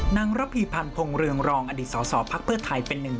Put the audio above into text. นางระภีพันธ์พงศ์เรืองรองอดีตสอพักเพื่อถ่ายเป็นหนึ่ง